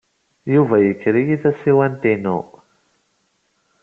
Yuba yuker-iyi tasiwant-inu.